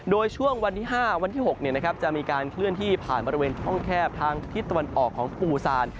โดยช่วงวันที่๕วันที่๖จะมีการเคลื่อนที่ผ่านบริเวณช่องแคบทางทิศตะวันออกของปูซาน